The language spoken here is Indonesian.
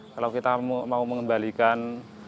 kalau kita mau mengembalikan